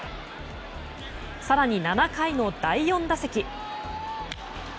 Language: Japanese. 更に、７回の第４打席。